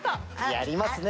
やりますね。